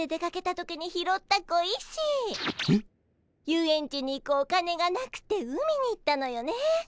遊園地に行くお金がなくて海に行ったのよね。